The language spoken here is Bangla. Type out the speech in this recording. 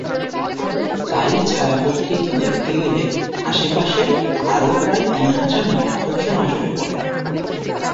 তাই ছায়াপথটিকে দেখতে গেলে আশপাশের আরও প্রায় তিন হাজার নক্ষত্র নজরে পড়ে।